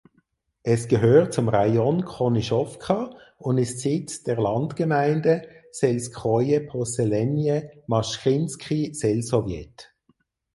Es gehört zum Rajon Konyschowka und ist Sitz der Landgemeinde "(selskoje posselenije) Maschkinski selsowjet".